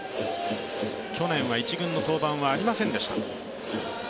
去年は１軍の登板はありませんでした。